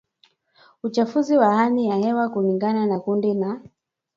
uchafuzi wa hali ya hewa kulingana na kundi la